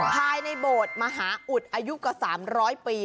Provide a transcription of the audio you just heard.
ภายในโบสถ์มหาอุดอายุกว่า๓๐๐ปี